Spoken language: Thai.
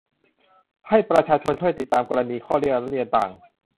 ให้ประชาชนช่วยติดตามกรณีข้อร้องเรียนต่าง